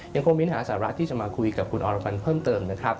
ยังคงเน้นหาสาระที่จะมาคุยกับคุณอรพันธ์เพิ่มเติมนะครับ